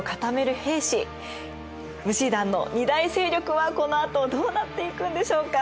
武士団の２大勢力はこのあとどうなっていくんでしょうか？